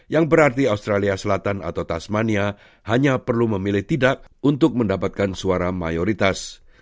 yang berarti australia selatan atau tasmania hanya perlu memilih tidak untuk mendapatkan suara mayoritas